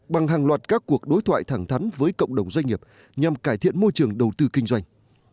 bằng hàng loạt các cuộc đối thoại thẳng thắn với cộng đồng doanh nghiệp nhằm cải thiện môi trường đầu tư kinh doanh